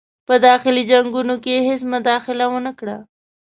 په داخلي جنګونو کې یې هیڅ مداخله ونه کړه.